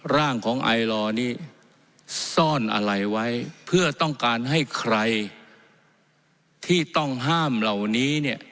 ร่างของไอลอนี้ซ่อนอะไรไว้เพื่อต้องการให้ใครที่ต้องห้ามเหล่านี้เนี่ย